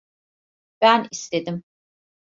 Ben istedim.